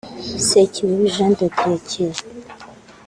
Sekibibi Jean de Dieu (Kiyovu)